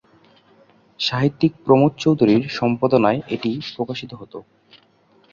সাহিত্যিক প্রমথ চৌধুরীর সম্পাদনায় এটি প্রকাশিত হতো।